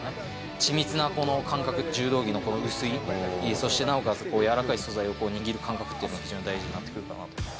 緻密なこの感覚、柔道着のこの薄い、そしてなおかつ柔らかい素材を握る感覚っていうのは、非常に大事になってくるかなと思います。